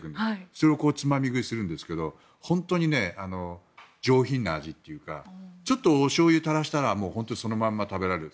それをつまみ食いするんですけど本当に上品な味というかちょっとおしょうゆを垂らしたら本当にそのまま食べられる。